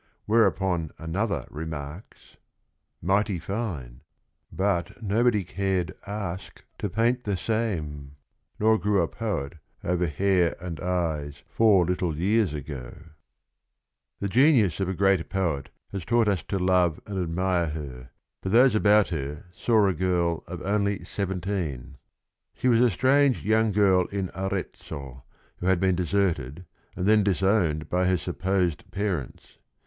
Where upon another remarks, "Mighty fine — But nobody cared ask to paint the same, Nor grew a poet over hair and eyes Four little years ago." LESSONS OF RING AND BOOK 231 The genius of a great poet has taught us to love and admire her, but those about her saw a girl of "only seventeen." She was a strange young girl in Arezzo, who had been deserted and then disowned by her supposed parents.